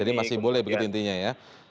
jadi masih boleh begitu intinya ya